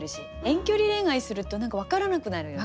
遠距離恋愛すると何か分からなくなるよね。